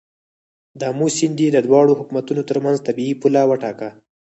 د آمو سیند یې د دواړو حکومتونو تر منځ طبیعي پوله وټاکه.